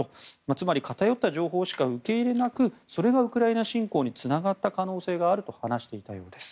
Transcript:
つまり、偏った情報しか受け入れなくそれがウクライナ侵攻につながった可能性があると話していたようです。